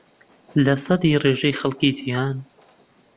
لەسەدی ڕێژەی خەڵکی جیھان